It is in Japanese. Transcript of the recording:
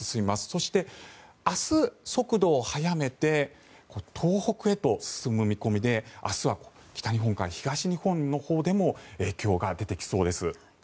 そして明日、速度を速めて東北へと進む見込みで、明日は北日本から東日本のほうでも影響が出てきそうです。